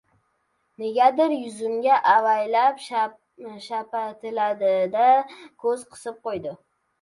Negadir yuzimga avaylab shapatiladi- da, ko‘z qisib qo‘ydi.